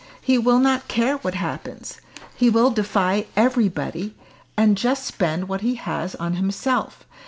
He will not care what happens. He will defy everybody, and just spend what he has on himself.